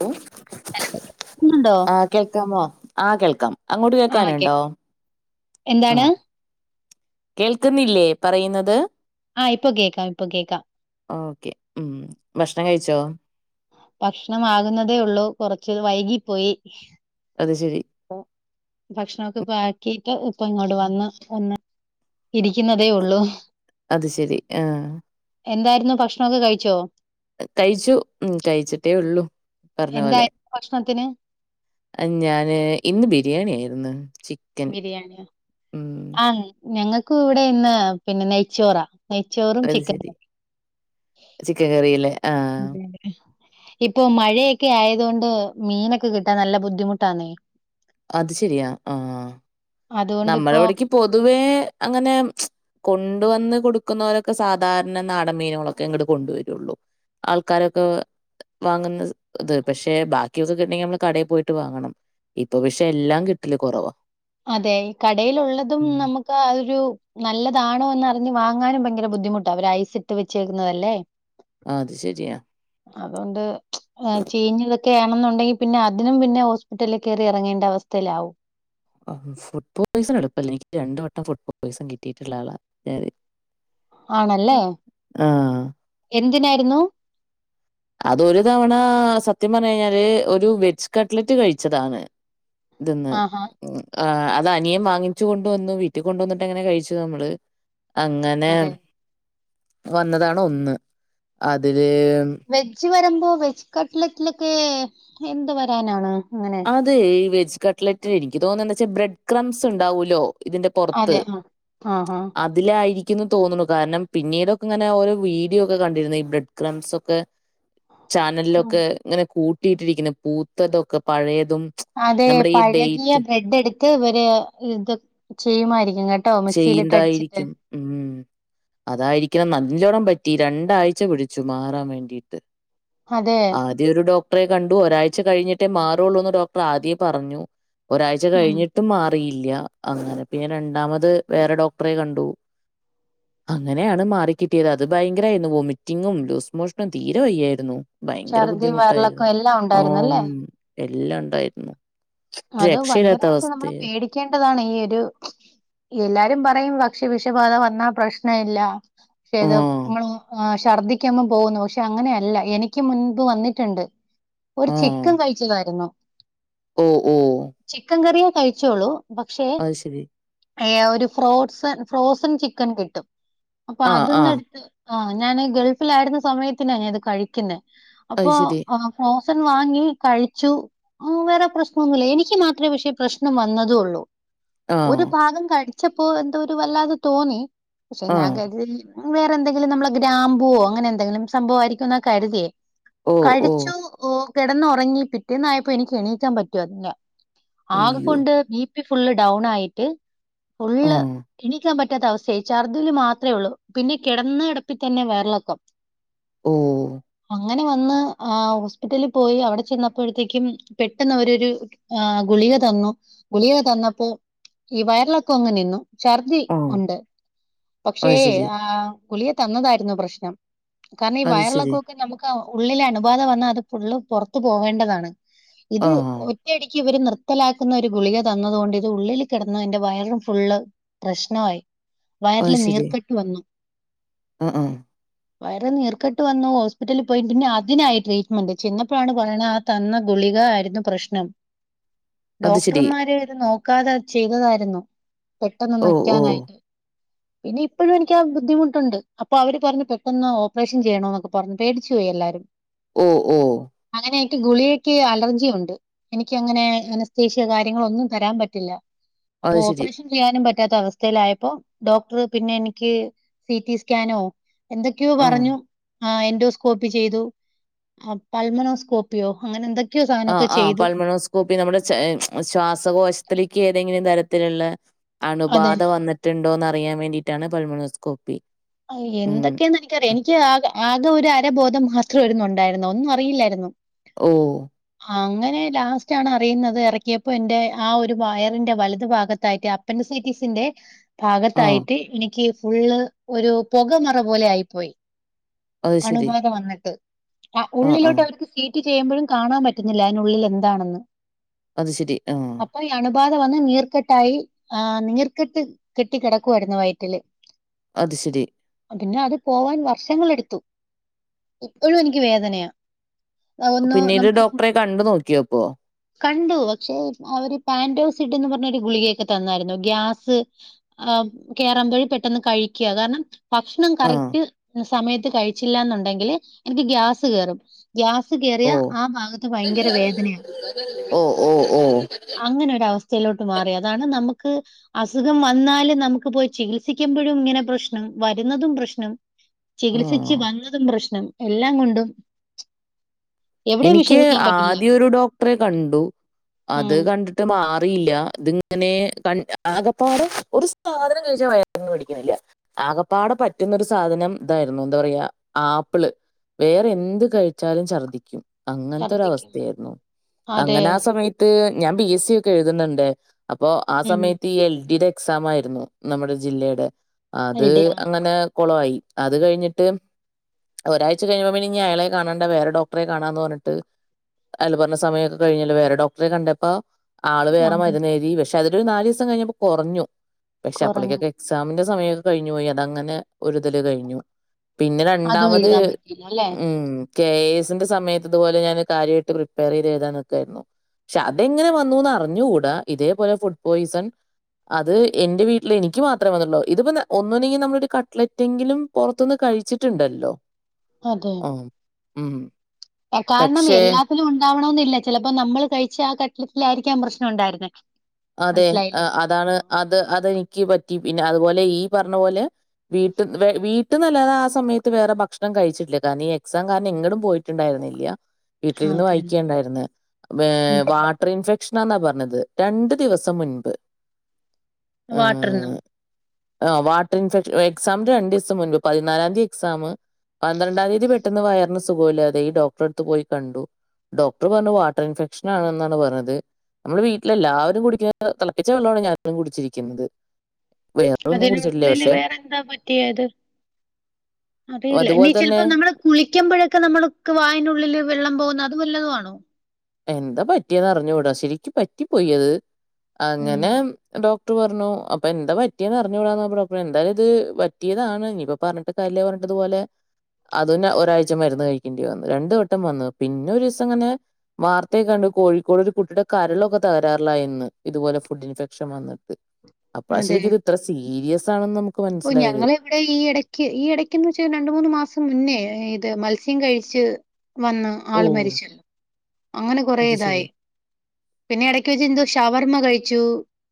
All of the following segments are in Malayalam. [unintelligible] ക്കുന്നുണ്ടോ ആ കേൾക്കാമോ ആ കേൾക്കാം അങ്ങോട്ട് ആഹ് കേ കേക്കാനുണ്ടോ എന്താണ് കേൾക്കുന്നില്ലേ പറയുന്നത് ആഹ് ഇപ്പൊ കേക്കാം ഇപ്പൊ കേക്കാം ഓക്കെ ഉം ഭക്ഷണം കഴിച്ചോ ഭക്ഷണമാകുന്നതേ ഉള്ളു കുറച്ച് വൈകിപ്പോയി അത് ശരി ഭക്ഷണൊക്കെ പാക്കിട്ട് ഇപ്പ ഇങ്ങോട്ട് വന്ന് ഒന്ന് ഇരിക്കുന്നതേ ഉള്ളൂ അത് ശെരി ആ എന്തായിരുന്നു ഭക്ഷണൊക്കെ കഴിച്ചോ കഴിച്ചു ഉം കഴിച്ചിട്ടേ ഉള്ളൂ എന്തായി ഭക്ഷണത്തിന് ഞാന് ഇന്ന് ബിരിയാണി ആയിരുന്നു ചിക്കൻ ബിരിയാണിയോ ഉം ആ ഞങ്ങൾക്കു ഇവിടെ ഇന്ന് പിന്നെ നെയ്ച്ചോറാ നെയ്ച്ചോറും അത് ചിക്കൻ ശരി [unintelligible] ചിക്കൻ കറിയില്ലേ ആ അതെ അതെ ഇപ്പൊ മഴയൊക്കെ ആയതോണ്ട് മീനൊക്കെ കിട്ടാൻ നല്ല ബുദ്ധിമുട്ടാന്നേ അത് ശെരിയാ ആ നമ്മുടെ അതുകൊണ്ടിപ്പോ ഇവിടേക്ക് പൊതുവേ അങ്ങനെ കൊണ്ടുവന്ന് കൊടുക്കുന്നവരൊക്കെ സാധാരണ നാടൻമീനുകളൊക്കെ ഇങ്ങൊട് കൊണ്ടുവരുള്ളു ആൾക്കാരൊക്കെ വാങ്ങുന്നത് ഇത് പക്ഷെ ബാക്കിയൊക്കെക്കിട്ടണോങ്കി നമ്മള് കടയിൽ പോയിട്ട് വാങ്ങണം ഇപ്പൊ പക്ഷെ എല്ലാം കിട്ടല് കുറവാ അതെ കടയിലുള്ളതും ഉം. നമുക്ക് അതൊരു നല്ലതാണോന്ന് ആ വാങ്ങാനും ഭയങ്കര ബുദ്ധിമുട്ടാണ് അവര് ഐസ് ഇട്ട് വച്ചേക്കുന്നതല്ലേ ആ, അത് ശരിയാ. അതുകൊണ്ട് ചീഞ്ഞതൊ ക്കെ ആണെന്നുണ്ടെങ്കിൽ പിന്നെ അതിനും പിന്നെ ഹോസ്പിറ്റലിൽ കയറി ഇറങ്ങേണ്ട അവസ്ഥയിലാവും ഫുഡ് പോയിസൺ എടുപ്പല്ല എനിക്ക് രണ്ട് വട്ടം ഫുഡ് പോയിസൺ കിട്ടിയിട്ടുള്ള ആളാണ് ആണല്ലേ എന്തിനായിരുന്നു അതൊരു തവണ സത്യം പറഞ്ഞ്കഴിഞ്ഞാല് ഒരു വെജ് കട്ലറ്റ് കഴിച്ചതാണ് ഇതന്ന് ആഹാ. ആ അത് അനിയൻ വാങ്ങിച്ചു കൊണ്ടുവന്നു വീട്ടിൽ കൊണ്ടുവന്നിട്ട് അങ്ങനെ കഴിച്ചു നമ്മള് അങ്ങനെ അതെ. വന്നതാണ് ഒന്ന് അതില് വെജ് വരുമ്പോ വെജ് കട്ലറ്റിലൊക്കെ എന്ത് വരാനാണ് അങ്ങനെ? അതെ ഈ വെജ് കട്ലെറ്റിൽ എനിക്ക് തോന്നുന്നെ എന്നുവെച്ചാൽ ബ്രെഡ് ക്രംസ് ഉണ്ടാവൂലോ ഇതിന്റെ പുറത്ത് അതെ. ആഹ്. ആഹാ. അതിലായിരി ക്കുന്നു തോന്നുന്നു കാരണം പിന്നീടൊക്കെങ്ങിനെ ഓരോ വീഡിയോ ഒക്കെ കണ്ടിരുന്നു ഈ ബ്രെഡ് ക്രംസ് ഒക്കെ ആഹ്. ചാനലിലൊക്കെ ഇങ്ങനെ കൂട്ടിയിട്ടിരിക്കുന്നു പൂത്തതൊക്കെ പഴയത് അതെ പഴകിയ ബ്രെഡ് എടുത്ത് ഇവര് ഇത് ചെയ്യുമായിരിക്കും കേട്ട ചെയ്യുണ്ടായിരിക്കും ഉം അതായിരിക്കണം നല്ലോണം പറ്റി രണ്ടാഴ്ച പിടിച്ചു മാറാൻ വേണ്ടീട്ട് അതെ. ആദ്യ ഒരു ഡോ ഡോക്ടറെ കണ്ടു ഒരാഴ്ച കഴിഞ്ഞിട്ടേ മാറുവൊള്ളൂന്ന് ഡോക്ടർ ആദ്യേ പറഞ്ഞു ഒരാഴ്ച ഉം. കഴിഞ്ഞിട്ടും മാറിയില്ല അങ്ങനെ പിന്നെ രണ്ടാമ ത് വേറെ ഡോക്ടറെ കണ്ടു. അങ്ങനെയാണ് മാറിക്കിട്ടിയത് അത് ഭയങ്കരമായിരുന്നു വൊമിറ്റിങ്ങും ലൂസ് മോഷനും തീരെ വയ്യായിരുന്നു. ഭയങ്കര ഛർദിയും ബുദ്ധിമുട്ടായിരുന്നു. വയറിളക്കം എല്ലാം ഉണ്ടായിരുന്നല്ലേ എല്ലാം ഉണ്ടായിരുന്നു. അത് രക്ഷയില്ലാത്ത ഭയങ്കരമായിട്ട് നമ്മള് അവസ്ഥയാ. പേടിക്കേണ്ടതാണ് ഈ ഒരു എല്ലാ രും പറയും ഭക്ഷ്യ വിഷബാധ വന്നാ പ്രശ്നവില്ല പക്ഷെ ആ. ഇത് നമ്മള് ആശു ഛർദ്ദിക്കുമ്പം പോകുന്നു. പക്ഷെ അങ്ങനെയല്ല എനിക്ക് മുൻപ് വന്നിട്ടുണ്ട്. ഒരു ആ. ചിക്കൻ കഴിച്ചതായിരുന്നു. ഓ, ഓ. ചിക്കൻ കറിയേ കഴിച്ചോള്ളു. പക്ഷേ അത് ശരി. ഏ ഒരു ഫ്രോസൺ ഫ്രോസൺ ചിക്കൻ കിട്ടും അപ്പൊ ആ, ആ. അതിന്നെടുത്ത് ആ ഞാന് ഗൾഫിലായിരുന്ന സമയത്തിനാ ഞാൻ ഇത് കഴിക്കുന്നത് അത് അപ്പൊ ശരി. സൻ വാങ്ങി കഴിച്ചു. വേറെ പ്രശ്നമൊന്നുവില്ല എനിക്ക് മാത്രമേ പക്ഷേ പ്രശ്നം വന്നതും ഒള്ളൂ. ആ. ഒരു ഭാഗം കടിച്ചപ്പോ എന്തോ ഒരു വല്ലാതെ തോന്നി പക്ഷെ ആ. ഞാൻ കരുതി വേറെ എന്തെങ്കിലും നമ്മളെ ഗ്രാമ്പൂവോ അങ്ങനെ എന്തെങ്കിലും സംഭവം ആയിരിക്കും എന്നാ കരുതിയേ. ഓ, ഓ. കഴിച്ചു കിടന്നുറങ്ങി പിറ്റേന്നായപ്പോ എനിക്ക് എണീക്കാൻ പറ്റുവേല്ല. അയ്യോ! ആകെകൊണ്ട് ബി പി ഫുള്ള് ഡൗൺ ആയിട്ട് ആ. ഫുള്ള് എണീക്കാൻ പറ്റ റ്റാത്ത അവസ്ഥയായി ഛർദില് മാത്രേ ഉള്ളൂ പിന്നെ കിടന്ന കിടപ്പിൽ തന്നെ വയറിളക്കം. ഓഹ് അങ്ങനെ വന്ന് ഹോസ്പിറ്റലിൽ പോയി അവിടെ ചെന്നപ്പോഴത്തേക്കും പെട്ടന്നവര് ഒര് ഗുളിക തന്നു ഗുളിക തന്നപ്പോ ഈ വയറിളക്കം അങ്ങ് നിന്നു. ഛർദി ആ. ഉണ്ട് പക്ഷേ അത് ശരി. ആ ഗുളിക തന്നതായിരുന്നു പ്രശ്നം. കാരണം ഈ അത് ശരി. വയറിളക്കവൊക്കെ നമുക്ക് ഉള്ളിലെ അണുബാധ വന്നാ അത് ഫുള്ള് പുറത്തു പോകേണ്ടതാണ്. ആ. ഇത് ഒറ്റടിക്ക് ഇവര് നിർത്തലാക്കുന്ന ഒരു ഗുളിക തന്നതുകൊണ്ട് ഇത് ഉള്ളിൽ കിടന്ന് എന്റെ വയറും ഫുള്ള് പ്രശ്നമായി. വയ്ർൽ നീർക്കെട്ട് വന്നു. അഹ് അഹ് വയർ നീർക്കെട്ട് വന്നു ഹോസ്പിറ്റൽ പോയി പിന്നെ അതിനായി ട്രീറ്റ്മെന്റ് ചെന്നപ്പോഴാണ് പറയണേ ആ തന്ന ഗുളി ഗായിരുന്നു പ്രശ് ണം അത് ശരി. ഡോക്ടർമാരാരും നോക്കാതെ ചെയ്തതായിരുന്നു. പെട്ടെന്ന് ഓ, ഓ. നിക്യാനായിട്ട് പിന്നെ ഇപ്പഴു എനിക്കാ ബുദ്ധിമുട്ടുണ്ട്. അപ്പൊ അവര് പറഞ്ഞ് പെട്ടെന്നാ ഓപ്പറേഷൻ ചെയ്യണോന്നൊക്കെ പറഞ്ഞ് പേടിചോയി യെല്ലാരും ഓ ഓ നായിട്ട് ഗുളികക്ക് അലർജിയുണ്ട് എനിക്ക് അങ്ങനെ അനസ്റ്റെഷ്യ കാര്യങ്ങളൊന്നും തരാൻ പറ്റില്ല. അപ്പൊ അത് ശരി. ഒപ്രെഷൻ ചെയ്യാനും പറ്റ് റ്റാത്ത അവസ്തേലായപ്പോ ഡോക്ടർ പിന്നെ എനിക്ക് സി റ്റി സ്കാനോ എന്തൊക്യോ ആ. പറഞ്ഞു. ആ എൻഡോസ്കോപ്പി ചെയ്തു. ആ പൽമനോസ്കോപ്പിയോ അങ്ങനെ എന്തൊക്യോ സാനൊകി ആ പൾമണോസ്കോപ്പി നമ്മുടെ ചേ ശ്വാസകോഷ്തിൽക്ക് ഏതെങ്കിലും തരത്തില്ള്ള അതെ അണുബാധ വന്നിട്ട്ണ്ടോന്നറിയാൻ വേണ്ടിട്ടാണ് പൾമണോസ്കോപ്പി. അയ് ഉം. എന്തൊക്കെന്ന് എനിക്കറിയാ എനിക്ക് ആകെ അത് ഒരരബോധം മാത്ര ഒര്ന്നു ണ്ടായിരുന്നു ഒന്നു അറിയില്ലാര്ന്നു. ഓ അങ്ങനെ ലാസ്റ്റാണ് അറിയ്ന്നത് എറക്കിയപ്പോ എന്റെ ആ ഒരു വയറിന്റെ വല്ത് ഭാഗത്തായിട്ട് അപ്പന്റിസ് റ്റീറ്റിസിന്റെ ആഹ്. ഭാഗത്തായിട്ട് എനിക്ക് ഫുള്ള് ഒരു പൊഗ മറ പോലെ ആയിപ്പോയി. അത് ശരി. അണുബാധ വന്നിട്ട് ആ ആഹ് ഉള്ളിലോട്ട് ആഹ്. അവർക്ക് സി റ്റി ചെയ്യുമ്പഴും കാണാം പറ്റുന്നില്ല അയ്ന്നുള്ളിലെന്താണെന്ന്. അത് ശെരി ആഹ് ബാധ വന്ന് നീർക്കെട്ടായി അഹ് നീർക്കെട്ട് കെട്ടി കെടക്കുവായിരുന്നു വയ്റ്റില്. അത് ശരി പിന്നെ അത് പോവാൻ വർഷങ്ങളെടുത്തു. ഇപ്പഴും എനിക്ക് വേദനയാ അഹ് ഒന്ന് പിന്നീട് നമ്ക്ക് ഫുഡ് ഡോക്ടറെ കണ്ടു നോക്കിയോ അപ്പോ? കണ്ടു പക്ഷെ അവര് പന്റ്റ്റൊസ് സിഡ് എന്ന്പർനൊര് ഗുളികയൊക്കെ തന്നായിരുന്നു ഗ്യാസ് ആഹ്മ് കേറമ്പോയ് പെട്ടെന്ന് കഴി ക്യാ കാരണം ഭക്ഷ്ണം ആഹ്. കറക്റ്റ് സമയത്ത് കഴിച്ചില്ലാന്നുണ്ടെങ്കില് എനിക്ക് ഗ്യാസ് കേറും. ഗ്യാസ് കെറിയ ഓഹ്! ആ ഭാഗത്ത് ഭയങ്കര വേദനയാ, ഓഹ് ഓഹ് ഓഹ്. അങ്ങനൊരാ അവസ്ഥയിലോട്ട് മാറി അതാണ് അവസ്ഥയിലോട്ട് മാറി. അതാണ് നമുക്ക് അസുഖം വന്നാലും നമുക് പോയ്‌ ചികിത്സിക്കുമ്പഴും ഇങ്ങനെ പ്രശ്നം വരുന്നതും പ്രശ്നം, ചികിൽസിച്ചു ആഹ്. വന്നതും പ്രശ്നം എല്ലാം കൊണ്ടും എവിടെയും എനിക്ക് വിശ്വസിക്കാൻ പറ്റില്ല. ആദ്യൊരു ഡോക്ടറെ കണ്ടു ഉം അത് കണ്ട്ട്ട് മാറീല്ല. ഇതിങ്ങനെ കൺ ആകപ്പാടെ ഒരു സാധനം കഴിച്ചാൽ വയറിനു പിടിക്കിന്നില്ല. ആകപ്പാടെ പറ്റുന്ന ഒരു സാധന നം ഇതായിരുന്നു എന്താ പറയാ ആപ്പിള് വേറെ എന്ത് കഴിച്ചാലും ഛർദ്ദിക്കും ഛർദിക്കും അങ്ങൻതൊരവസ്തെർന്നു അതെ അങ്ങനാ ആ സമയത്ത് ഞാൻ ബി എസ് സി ഒക്കെ എഴുതുന്ന്ണ്ട് അപ്പൊ ആ ഉം സമയത്ത് ഈ എൽ ഡിടെ എക്സാം ആയിരുന്നു. നമ്മുടെ ജില്ലെടെ അത് ഐഡിയ അങ്ങനെ കൊളവായി. അത് കഴിഞ്ഞിട്ട് ഒരാഴ്ച കഴിഞ്ഞപ്പോപിന്നെ ഇനി അയാളെ കാണണ്ട വേറെ ഡോക്ടറെ കാണാന്ന് പർഞ്ഞിട്ട്, അയൾ പറഞ്ഞ സമയൊക്കെ കഴിഞ്ഞല്ലോ വേറെ ഡോക്ടറെ കണ്ടപ്പോ ആള് വേറ അതെ മരുന്നെതി. പശേ അതൊരു നാല് ഈസം കഴിഞ്ഞപ്പോ കൊർഞ്ഞു. പശേ കൊറഞ്ഞു അപ്പളക്കൊക്കെ എക്സാമിന്റെ സമയൊക്കെ കഴിഞ്ഞു പോയി അതങ്ങനെ ഒരുതല് കഴിഞ്ഞു പിന്നെ അതും രണ്ടാമത് എഴുതാൻ പറ്റിയില്ല അല്ലേ ഉം കേസ് ന്റെ സയത്ത് ഇത്പോലെ ഞാന് കാര്യായിട്ട് പ്രിപ്പയറീത് എഴുതാൻ നിക്കെർന്നു. ഷെ അതെങ്ങനെ വന്നുന്ന് അറിഞ്ഞൂടാ. ഇതേപോലെ ഫുഡ് പോയ്സൺ അത് എന്റെ വീട്ടില് എനിക്ക് മാത്രേ വന്നിട്ടുള്ളു. ഇതിപ്പോ ഒന്നുണ്ടെങ്കില് നമ്മളൊരു കട്ട്ലെറ്റെങ്കിലും പുറത്തുന്ന് കഴിച്ചിട്ടുണ്ടല്ലോ അതെ ആ ഉം കാരണം പക്ഷേ എല്ലാത്തിലും ഉണ്ടാവ ണൊന്നില്ല, ചെലപ്പോ നമ്മള് കഴിച്ച ആ കട്ട്ലറ്റിലായിരിക്കാം പ്രശ്നം ഉണ്ടായിരുന്നേ. അതെ, അതാണ് അത് അതെനിക്ക് പറ്റി. പിന്നെ അതുപോലെ ഈ പർഞ്ഞ പോലെ വീട്ട്ന്ന് വെ വീട്ടീന്നല്ലാതെ ആ സമയത്ത് വേറെ ഭക്ഷണം കഴിച്ചിട്ടില്ല കാരണം ഈ എക്സാം കാരണം എങ്ങടും പോയിട്ടുണ്ടായിരുന്നില്ല്യ. വീട്ടിലിരുന്ന് അതെന്നെ വായിക്കണ്ടായിരുന്നെ. ഉം വാട്ടർ ഇൻഫെക്ഷനാന്ന പറഞ്ഞത്. രണ്ട് ദിവസം മുൻപ് വാട്ടർനോ ഏഹ് ആ വാട്ടർ ഇൻഫെക്ഷ എക്സാമിന്റെ രണ്ടു ദിവസം മുൻപ് പതിനാലാന്തി എക്സാമ്. പന്ത്രണ്ടാം തീയതി പെട്ടെന്ന് വയറിന് സുഖോല്ലാതെയായി. ഡോക്ടറെ അടുത്ത് പോയി കണ്ടു ഡോക്ടർ പർഞ്ഞു വാട്ടർ ഇൻഫെക്ഷനാണ്ന്നാണ് പറഞ്ഞത്. നമ്മള് വീട്ടിലെല്ലാരും കുടിക് ക്യാ തിളപ്പിച്ച വെള്ളമാണ് ഞാനും കുടിച്ചിരിക്കുന്നത് വേറൊന്നും കുടിച്ചിട്ടില്ല അതിനുള്ളില് പക്ഷെ വേറെ എന്താ പറ്റിയത് അതെല്ലെ, ഇനി അതുപോലെ തന്നെ ചിലപ്പോ നമ്മള് കുളിക്കുമ്പോഴൊക്കെ നമ്മൾക്ക് വായന്റുള്ളിൽ വെള്ളം പോകുന്ന അത് വല്ലതും ആണോ എന്താ പറ്റിയന്നറിഞ്ഞൂടാ ശരിക്കും പറ്റി പോയത് ഉം അങ്ങനെ ഡോ ടർ പർനു അപ്പൊ എന്താ പറ്റീതെന്നറിഞ്ഞൂടാന്ന്‌ പറഞ്ഞപ്പോള് ഡോക്ടർ എന്തായാലുമിത് പറ്റിയതാണ്, ഇനി ഇപ്പൊ പറഞ്ഞിട്ട് കാര്യമില്ലാന്നുപറഞ്ഞിട്ട് അതുപോലെ അതും ന ഒരാഴ്ച മരുന്ന് കഴിക്കേണ്ടി വന്നു. രണ്ട് വട്ടം വന്നു. പിന്നെ ഒരു ദിവസം ഇങ്ങനെ വാർത്തയെക്കണ്ട് കോഴിക്കോട് ഒരു കുട്ടിയുടെ കരളൊക്കെ തകരാറിലായെന്ന് ഇതുപോലെ ഫുഡ് ഇൻഫെക്ഷൻ വന്നിട്ട് അപ്പോ അതെ ശരിക്ക് ഇത് ഇത്ര സീരിയസ് ആണെന്ന് നമുക് ഓ ഞങ്ങള ഇവിടെ ഈ ഇടയ്ക്ക്, ഈ ഇടക്ക്ന്ന് വെച്ചാ രണ്ട് മൂന്ന് മാസം മുന്നേ അതെ മത്സ്യം കഴിച്ച് വന്നു ഓ ആള് മരിച്ചു. അങ്ങനെ കൊറ അത് ഇതായി ശരി പിന്നെ ഇടക്ക് വെച്ച എന്തോ ഷവർമ്മ കഴിച്ചു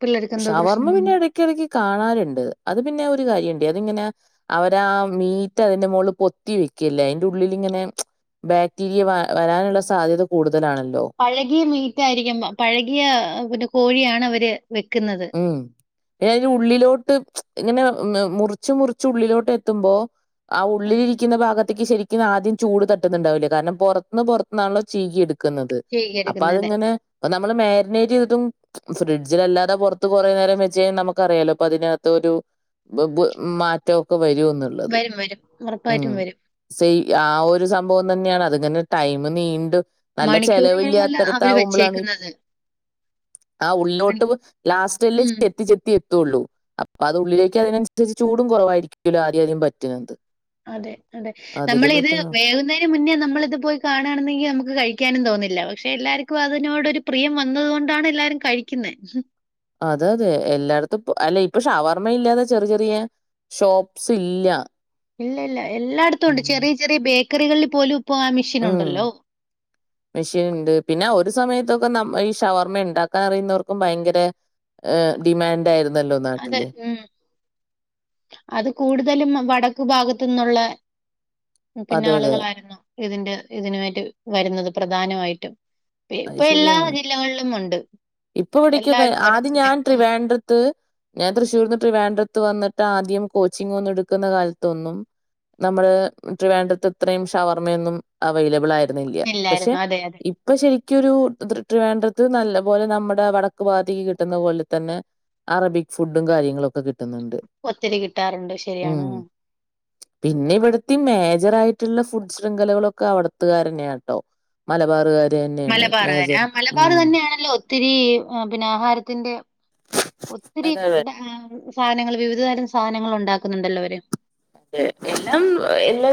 പിള്ളേർക്ക് എന്തോ ഷവർമ്മ പ്രശ്നം പിന്നെ വന്നു. ഇടക്ക ഇടക്ക് കാണാറുണ്ട് അത് പിന്നെ ഒരു കാര്യണ്ട് അതിങ്ങനെ അവരാ മീറ്റ് അതിന്റെ മോള് പൊത്തി വെക്കല്ലേ അയിന്ടെ ഉള്ളിലിങ്ങനെ ബാക്ടീരിയ വ വരാനുള്ള സാധ്യത കൂടുത പഴകിയ മീറ്റ ആയിരിക്കാം പഴകിയ പിന്നെ കോഴിയാണ് അവര് വെക്കുന്നത്. ഉം പിന്നയിന്ടെ ഉള്ളിലോട്ട് ഇങ്ങനെ മ് മുറിച്ച് മുറച്ച് ഉള്ളിലോട്ട് എത്തുമ്പോ ആ ഉള്ളിലിരിക്കുന്ന ഭാഗത്തേക്ക് ശരി ക്കും ആദ്യം ചൂട് തട്ടുന്നുണ്ടാവില്ല കാരണം പുറത്തുന്ന് പുറത്തുന്നാണല്ലോ ചീകിയ എടു ക്ക്ന്നത് അപ്പ അത് ചെയ്യിക്കുന്നത് ങ്ങനെ അപ്പ നമ്മള് മാരിനേറ്റ് ചെയ്തിട്ടും ഫ്രിഡ്ജിലല്ലാതെ പൊർ ത്ത് കുറേ നേരം വെച്ച നമുക്കറിയാലോ അപ്പൊ അതിനകത്ത് ഒരു ബ് ബ് മാറ്റൊ ഒക്കെ വരു ന്ന്ള്ളത് വരും വരും ഉം ഉറപ്പായിട്ടും വരും. സെയ്‌ ആ ഒരു സം പൊതന്നെയാണ് അത്ങ്ങന ടൈം നീണ്ടും നല്ല മണിക്കൂറുകളോളം ചെലവില്ലാത്തരത്ത അവര് ആകുമ്പോളാണ് വെച്ചേക്കുന്നത്. ആ മണി ഉള്ളിലോട്ട് ലാസ്റ്റ്ല്ല ഉം. ചെത്തി ചെത്തി എ തുള്ളൂ അപ്പൊ അത്ള്ളിലേക്ക് അതിനനുസരിച്ച് ചൂടും കുറവായിരിക്കല്ലോ ആദ്യം ആദ്യം പറ്റ്ണത് അതെ അതെ നമ്മള ഇത് വേകുന്നതിന് മുന്നേ നമ്മള് ഇത് പോയി കാണാണ്ന്നെങ്കി നമുക്ക് കഴിക്കാനും തോന്നില്ല പക്ഷെ എല്ലാർക്കും അതിനോടരു പ്രിയം വന്നത് കൊണ്ടാണ് എല്ലാരും കഴിക്കുന്നെ അതെ അതെ എല്ലായിടത്തും പ്പോ അല്ല ഇപ്പൊ ഷവർമ്മ ഇല്ലാതെ ചെറി ചെറിയ ഷോപ്സ് ഇല്ല ഇല്ല ഇല്ല എല്ലായിടത്തും ഉം. ഉണ്ട് ചെറിയ ചെറിയ ബേക്കറികളിൽ പോലും ഇപ്പൊ ആ മെഷീൻ ഉം ഉണ്ടല്ലോ. മെഷീൻ ഉണ്ട് പിന്നെ ഒ ഒരു സമയത്തൊക്കെ ന ഈ ഷവർമ്മ ഉണ്ടാക്കാൻ അറിയുന്നവർക്കും ഭയങ്കര ഡിമാൻഡ് ആയിരുന്ന് അതെ ഉം അത് കൂടുതലും മ് വടക് ക്ക് ഭാഗത്തു നിന്നുള്ള പിന്നാ അതെ അതെ. ആളുകളായിരുന്നു ഇതിന്റെ ഇതിനു വേണ്ടി വരുന്നത് പ്രധാനമായിട്ടും അത് ഇപ്പൊ എല്ലാ ശരിയാണ്. ജില്ലകളിലും ഉണ്ട് ഇപ്പൊ ഇവിടക്കൊക്കെ എല്ലാരും ആദ്യം വടക്കും ഞാൻ തെക്കും ട്രിവാൻഡ്രത് ഞാൻ തൃശ്ശൂർന്ന് ത്രിവാഡ്രത്ത് വന്നിട്ട് ആദ്യം കോച്ചിങ് ഒന്ന് എടുക്കുന്ന കാലത്തൊന്നും നമ്മള്ട്രിവാൻഡ്രത്തു ഇത്രയും ഷവർമയൊന്നും അവൈലബിൾ ആയിരുന്നു ആയിരുന്നില്ല പ ക്ഷെ എല്ലായിരുന്നു. അതെ അതെ. ഇപ്പൊ ശരിക്കും ഒരു ട്രിവാൻഡ്രത്തുനല്ല അപോലെ നമ്മടെ വടക്ക് ഭാത്തുക്ക് കിട്ടുന്ന പോലെ തന്നെ അറബിക് ഫുഡും കാര്യങ്ങളും ഒക്ക കിട്ടുന്നുണ്ട് ഒത്തിരി കിട്ടാറുണ്ട്. ഉം ശരിയാണ്. പിന്നെ ഇവിടത്തെ മേജർ ആയിട്ടുള്ള ഫുഡ് ശൃംഖലകളൊക്കെ അവിടത്തുകാരന്നെയാട്ടോ മലബാറുകാര് തന്നെയാണ് മലബാറുകാര് മേജർ ആ മലബാർ ഉം തന്നെയാ ണല്ലോ ഒത്തിരി പിന്നെ ആഹാരത്തിന്റെ ഒത്തിരി അതെ അതെ ആ സാധനങ്ങൾ വിവിധ തരം സാധനങ്ങൾ ഉണ്ടാക്കുന്നുണ്ടല്ലോ അവര് അതെ എല്ലാം എല്ലാ